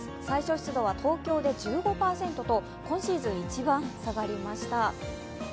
最小湿度は東京で１５％と今シーズンで一番下がりました。